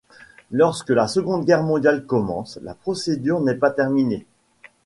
Lorsque la Seconde Guerre mondiale commence, la procédure n'est pas terminée.